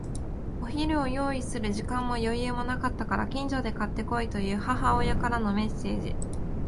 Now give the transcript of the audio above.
お昼を用意する時間も余裕もなかったから、近所で買って来いという母親からのメッセージ。